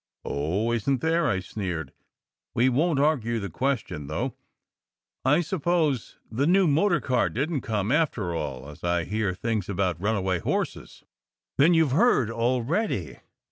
"Oh, isn t there?" I sneered. "We won t argue the question, though. I suppose the new motor car didn t come after all, as I hear things about runaway horses." " Then you have heard already?